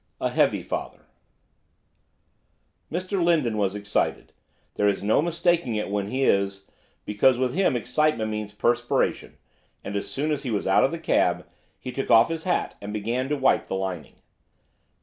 A HEAVY FATHER Mr Lindon was excited, there is no mistaking it when he is, because with him excitement means perspiration, and as soon as he was out of the cab he took off his hat and began to wipe the lining.